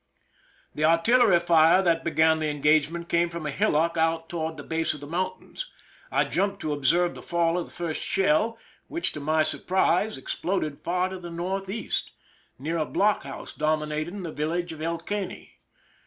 The artillery fire that began the engagement came from a hillock out toward the base of the mountains. I jumped to observe the fall of the first shell, which, to my surprise, exploded far to the northeast, near 265 THE SINKING OF THE "MEREIMAC" a blockhouse dominating the village of El Caney.